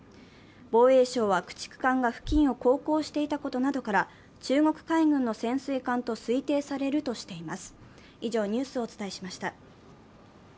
防衛省は、駆逐艦が付近を航行していたことなどから中国海軍の潜水艦と推定されるとしています。